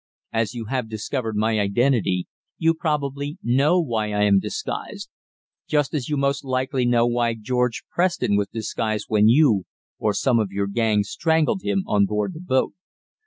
"As you have discovered my identity you probably know why I am disguised just as you most likely know why George Preston was disguised when you, or some of your gang, strangled him on board the boat."